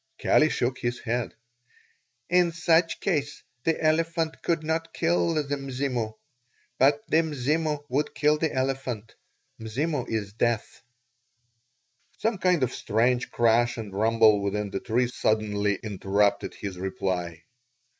Kali shook his head. "In such case the elephant could not kill the Mzimu, but the Mzimu would kill the elephant. Mzimu is death." Some kind of strange crash and rumble within the tree suddenly interrupted his reply.